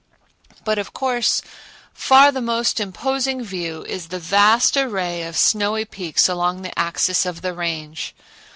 But, of course, far the most imposing view is the vast array of snowy peaks along the axis of the Range.